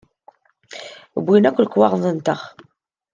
Wwin akk lekwaɣeḍ-nteɣ.